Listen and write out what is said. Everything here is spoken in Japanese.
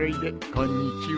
こんにちは。